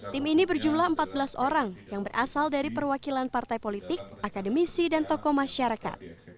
tim ini berjumlah empat belas orang yang berasal dari perwakilan partai politik akademisi dan tokoh masyarakat